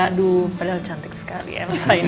aduh padahal cantik sekali elsa ini